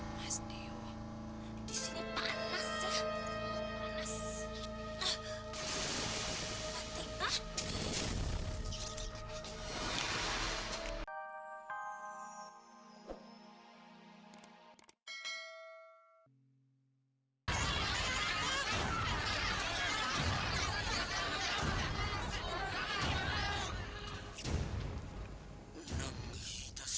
kenapa kak fatimah